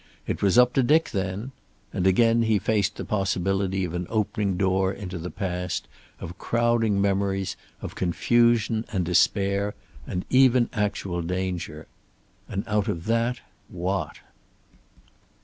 It was up to Dick then. And again he faced the possibility of an opening door into the past, of crowding memories, of confusion and despair and even actual danger. And out of that, what?